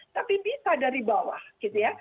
tapi bisa dari bawah gitu ya